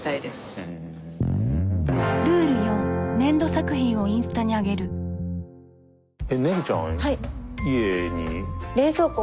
えっねるちゃんは家に。